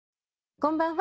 こんばんは。